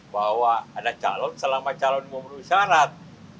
bahwa ada calon selama calon memenuhi syarat